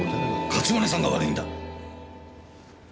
勝村さんが悪いんだ！